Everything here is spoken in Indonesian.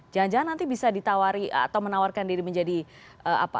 jangan jangan nanti bisa ditawari atau menawarkan diri menjadi apa